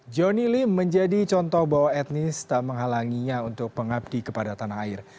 johnny lim menjadi contoh bahwa etnis tak menghalanginya untuk pengabdi kepada tanah air